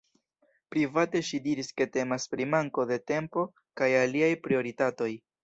Private ŝi diris ke temas pri manko de tempo kaj aliaj prioritatoj.